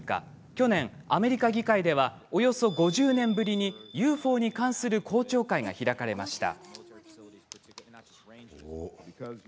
去年、アメリカ議会ではおよそ５０年ぶりにＵＦＯに関する公聴会が開かれました。